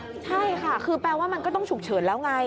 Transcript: ใช่ค่ะคือแปลว่ามันก็ต้องฉุกเฉินแล้วไง